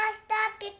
ピカ！